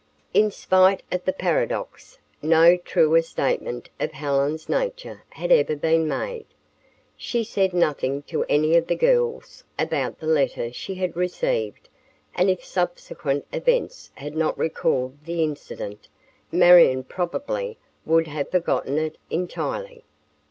In spite of the paradox, no truer statement of Helen's nature had ever been made. She said nothing to any of the girls about the letter she had received and if subsequent events had not recalled the incident, Marion probably would have forgotten it entirely.